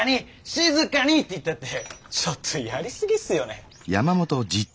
静かに！」って言ったってちょっとやりすぎっすよね。